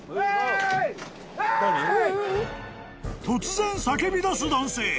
［突然叫びだす男性］